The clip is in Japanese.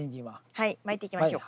はいまいていきましょう。